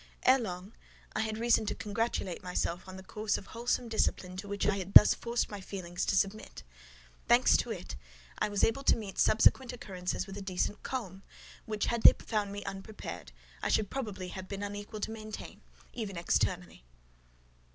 Ere long, I had reason to congratulate myself on the course of wholesome discipline to which I had thus forced my feelings to submit. Thanks to it, I was able to meet subsequent occurrences with a decent calm, which, had they found me unprepared, I should probably have been unequal to maintain, even externally.